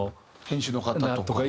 編集の方とか。